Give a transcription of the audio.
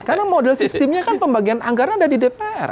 karena model sistemnya kan pembagian anggaran ada di dpr